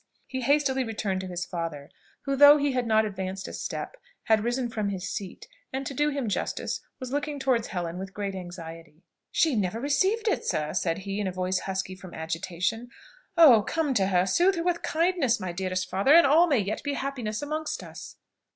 He hastily returned to his father, who, though he had not advanced a step, had risen from his seat, and, to do him justice, was looking towards Helen with great anxiety. "She never received it, sir!" said he, in a voice husky from agitation: "Oh! come to her; soothe her with kindness, my dearest father, and all may yet be happiness amongst us."